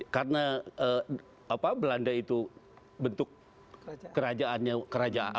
karena belanda itu bentuk kerajaannya